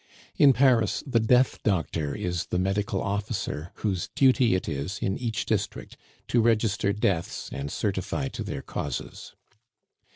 In Paris, the "death doctor" is the medical officer whose duty it is in each district to register deaths and certify to their causes.